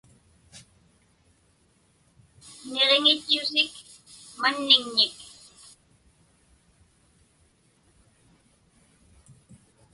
Niġiŋitchusik manniŋnik.